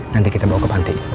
nanti kita bawa ke panti